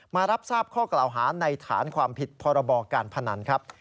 มารับทราบข้อกล่าวหาในฐานความผิดพรบการพนันครับ